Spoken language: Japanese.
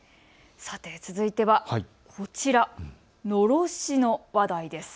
さて続いてはこちら、のろしの話題です。